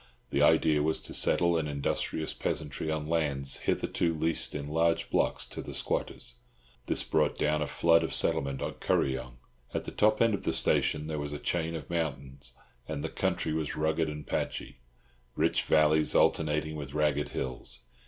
The idea was to settle an industrious peasantry on lands hitherto leased in large blocks to the squatters. This brought down a flood of settlement on Kuryong. At the top end of the station there was a chain of mountains, and the country was rugged and patchy—rich valleys alternating with ragged hills.